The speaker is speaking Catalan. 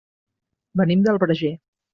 Venim del Verger.